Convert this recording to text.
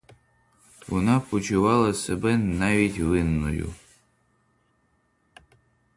Вона почувала себе навіть винною.